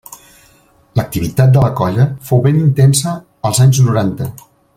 L'activitat de la colla fou ben intensa als anys noranta.